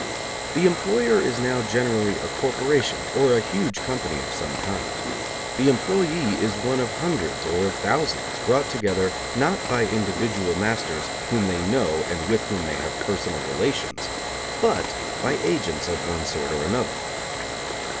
The employer is now generally a corporation or a huge company of some kind; the employee is one of hundreds or of thousands brought together, not by individual masters whom they know and with whom they have personal relations, but by agents of one sort or another.